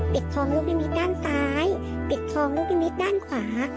ปิดทองลูกวินิกส์ด้านซ้ายปิดทองลูกวินิกส์ด้านขวา